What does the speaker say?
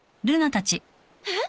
えっ？